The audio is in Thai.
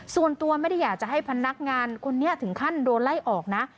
ส่วนตัวไม่ได้อยากจะให้พนักงานคนนี้ถึงขั้นโดนไล่ออกนะ